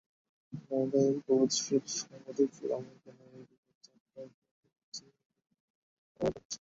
নওগাঁয় প্রগতিশীল সাংবাদিক ফোরামের ব্যানারে বিকেল চারটায় শহরের ব্রিজের মোড়ে মানববন্ধন হয়েছে।